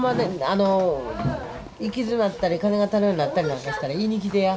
あの行き詰まったり金が足らんようになったりなんかしたら言いにきてや。